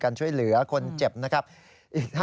ฟังเสียงอาสามูลละนิทีสยามร่วมใจ